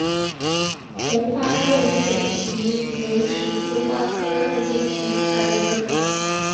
红花肉叶荠为十字花科肉叶荠属下的一个种。